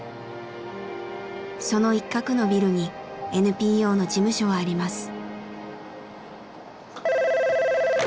その一角のビルにＮＰＯの事務所はあります。